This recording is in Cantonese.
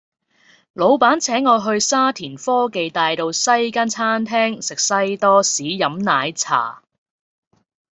老闆請我去沙田科技大道西間餐廳食西多士飲奶茶